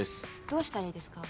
どうしたらいいですか？